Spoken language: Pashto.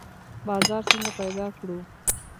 بازار څنګه پیدا کړو؟